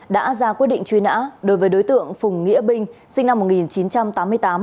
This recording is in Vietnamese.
đã ra quyết định truy nã đối với đối tượng phùng nghĩa binh sinh năm một nghìn chín trăm tám mươi tám